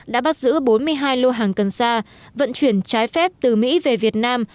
đã bắt giữ bốn mươi hai lô hàng cần sa vận chuyển trái phép từ mỹ về việt nam